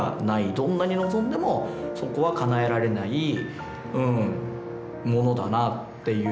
どんなに望んでもそこはかなえられないものだなっていう。